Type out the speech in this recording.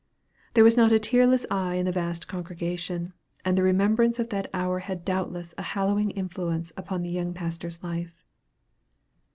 There was not a tearless eye in the vast congregation; and the remembrance of that hour had doubtless a hallowing influence upon the young pastor's life.